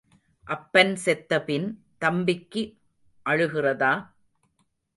அப்பன் செத்தபின் தம்பிக்கு அழுகிறதா?